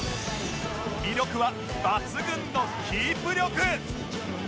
魅力は抜群のキープ力